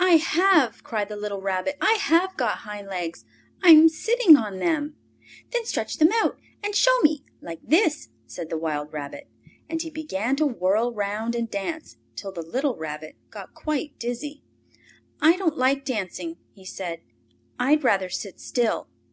"I have!" cried the little Rabbit. "I have got hind legs! I am sitting on them!" "Then stretch them out and show me, like this!" said the wild rabbit. And he began to whirl round and dance, till the little Rabbit got quite dizzy. "I don't like dancing," he said. "I'd rather sit still!"